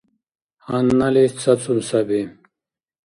Гьанналис цацун саби.